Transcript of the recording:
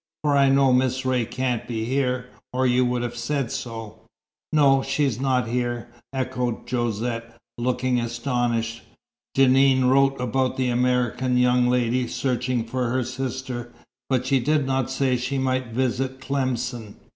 "For I know Miss Ray can't be here, or you would have said so." "No, she is not here," echoed Josette, looking astonished. "Jeanne wrote about the American young lady searching for her sister, but she did not say she might visit Tlemcen."